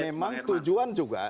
karena memang tujuan juga